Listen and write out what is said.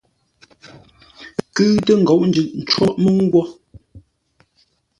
Kʉ́ʉtə́ ə ńgóʼo jʉʼ cwóʼ mə́u nghwó.